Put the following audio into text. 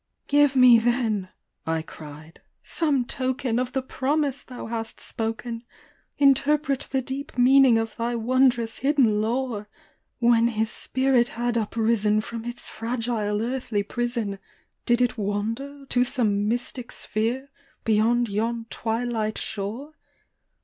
" Give me then," I cried, " some token of the promise thou hast spoken ; Interpret the deep meaning of thy wondrous hidden lore ! When his spirit had uprisen from its fragile earthly prison Did it wander to some mystic sphere beyond yon twi light shore